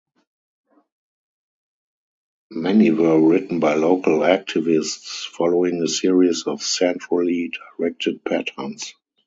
Many were written by local activists following a series of centrally directed patterns.